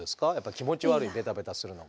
気持ち悪いベタベタするのが。